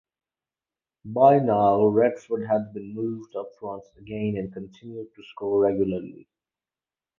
By now, Radford had been moved up front again and continued to score regularly.